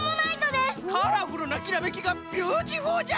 カラフルなきらめきがビューティフルじゃ。